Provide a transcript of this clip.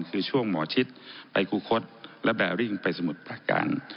คือช่วงหมอชิดไปคูคศและแบริ่งไปสมุทรประการ